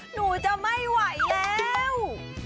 หนูจะไม่ไหวแล้ว